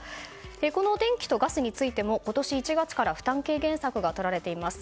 この電気とガスについても今年１月から負担軽減策がとられています。